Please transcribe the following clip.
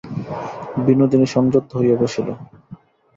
বিনোদিনী সংযত হইয়া বসিল।